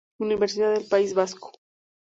Universidad del País Vasco.